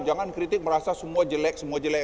jangan kritik merasa semua jelek semua jelek